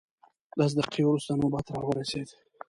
لس دقیقې وروسته نوبت راورسېد.